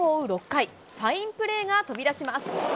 ６回、ファインプレーが飛び出します。